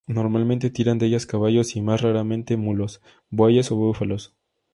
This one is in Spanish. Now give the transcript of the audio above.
Normalmente tiran de ellas caballos y más raramente mulos, bueyes o búfalos.